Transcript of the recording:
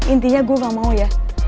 intinya gue gak mau ya